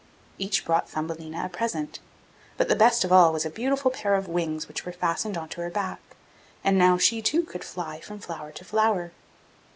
Each brought Thumbelina a present, but the best of all was a beautiful pair of wings which were fastened on to her back, and now she too could fly from flower to flower.